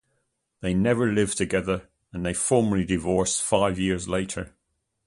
They never lived together and they formally divorced five years later.